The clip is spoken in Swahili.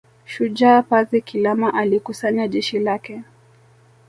Shujaa Pazi Kilama alikusanya jeshi lake